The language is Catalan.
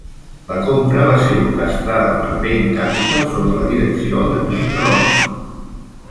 La compra va ser orquestrada per Bain Capital sota la direcció de Mitt Romney.